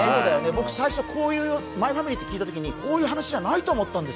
僕、最初に「マイファミリー」と聞いたときにこういう話じゃないと思った。